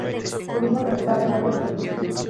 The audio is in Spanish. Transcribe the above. Tuvimos que empezar de nuevo desde el principio.